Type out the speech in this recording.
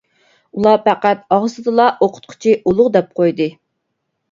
ئۇلار پەقەت ئاغزىدىلا ئوقۇتقۇچى ئۇلۇغ دەپ قويدى.